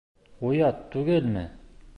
Оят түгелме!